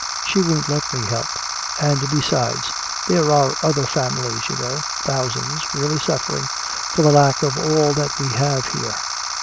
She won't let me help. And besides there are other families, you know thousands really suffering for the lack of all that we have here."